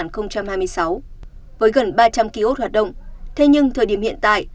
với gần ba trăm linh ký ốt hoạt động thế nhưng thời điểm hiện tại